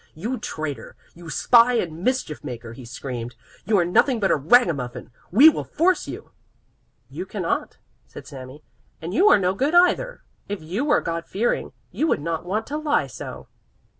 "You traitor, you spy and mischief maker!" he screamed. "You are nothing but a ragamuffin. We will force you." "You cannot," said Sami, "and you are no good either! If you were God fearing, you would not want to lie so."